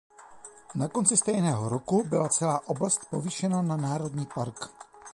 Na konci stejného roku byla celá oblast povýšena na národní park.